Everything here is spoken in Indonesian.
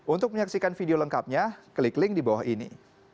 untuk menyaksikan video lengkapnya klik link di bawah ini